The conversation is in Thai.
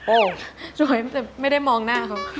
สวยแต่ไม่ได้มองหน้าเขา